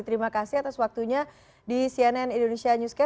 terima kasih atas waktunya di cnn indonesia newscast